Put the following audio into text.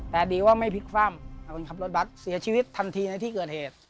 แต่ดีว่าไม่พลิกคว่ำคนขับรถบัตรเสียชีวิตทันทีในที่เกิดเหตุ